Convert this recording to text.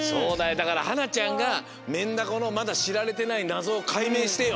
だからはなちゃんがメンダコのまだしられてないなぞをかいめいしてよ。